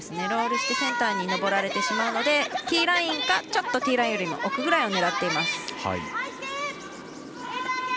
ロールしてセンターに上られてしまうのでティーラインか、ちょっとティーラインよりも奥を狙っています。